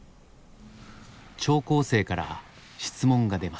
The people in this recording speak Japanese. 聴講生から質問が出ます。